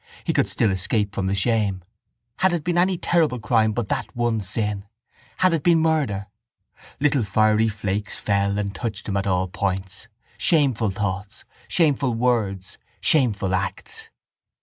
He could still escape from the shame. Had it been any terrible crime but that one sin! Had it been murder! Little fiery flakes fell and touched him at all points, shameful thoughts, shameful words, shameful acts.